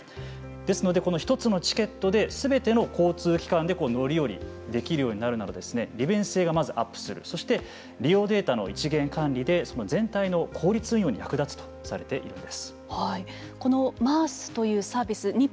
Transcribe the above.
ですので、この１つのチケットですべての交通機関で乗り降りできるようになるなど利便性がまずアップするそして、利用データの一元管理でその全体の効率運用に役立つとされているんです。